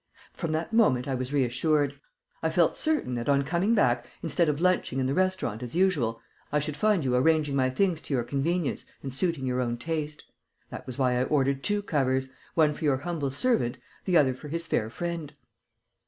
From that moment I was reassured. I felt certain that, on coming back instead of lunching in the restaurant as usual I should find you arranging my things to your convenience and suiting your own taste. That was why I ordered two covers: one for your humble servant, the other for his fair friend."